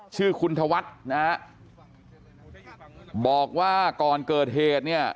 ชื่อคุณธวัฒน์นะฮะบอกว่าก่อนเกิดเหตุเนี่ย